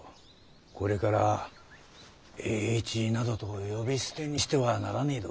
これから栄一などと呼び捨てにしてはならねぇど。